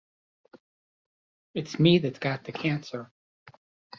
It's me that's got the cancer.